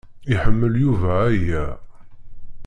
Iḥemmel Yuba aya.